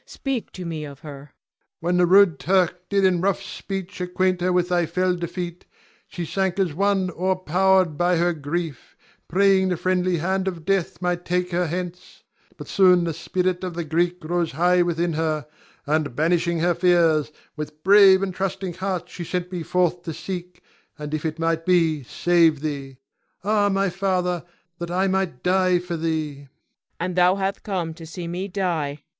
Speak to me of her. Ion. When the rude Turk did in rough speech acquaint her with thy fell defeat, she sank as one o'erpowered by her grief, praying the friendly hand of death might take her hence; but soon the spirit of the Greek rose high within her, and, banishing her fears, with brave and trusting heart she sent me forth to seek, and if it might be, save thee. Ah, my father, that I might die for thee! Cleon. And thou hath come to see me die!